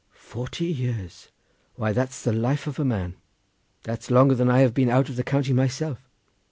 "Forty years! why that's the life of a man. That's longer than I have been out of the county myself.